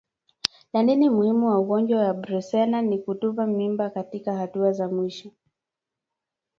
Dalili muhimu ya ugonjwa wa Brusela ni kutupa mimba katika hatua za mwisho